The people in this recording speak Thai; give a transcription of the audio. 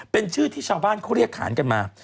เป็นชื่อที่ชาวบ้านเขาเรียกขานกันมา